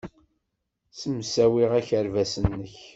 Ssemsawi akerbas-nnek.